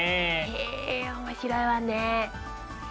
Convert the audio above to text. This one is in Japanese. へえ面白いわね。